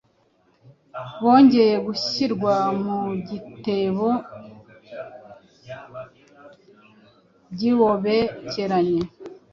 Bongeye guhyirwa mu gitebo giobekeranye